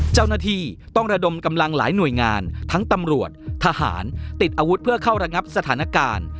เจ้าหน้าที่ต้องระดมกำลังหลายหน่วยงานทั้งตำรวจทหารติดอาวุธเพื่อเข้าระงับสถานการณ์